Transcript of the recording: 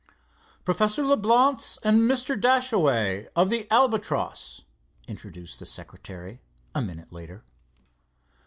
"Professor Leblance and Mr. Dashaway, of the Albatross," introduced the secretary, a minute later.